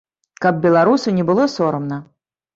Каб беларусу не было сорамна!